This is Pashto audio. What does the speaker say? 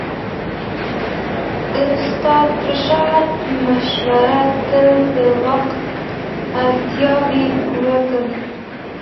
د استاد رشاد مشوره تل د وخت اړتياوې پوره کوي.